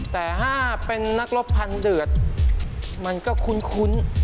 แต่ถ้าเป็นนักรบพันเดือดมันก็คุ้น